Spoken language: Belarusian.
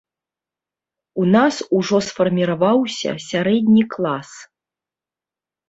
У нас ужо сфарміраваўся сярэдні клас.